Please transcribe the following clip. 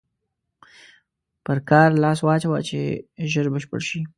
پر کار لاس واچوه چې ژر بشپړ شي.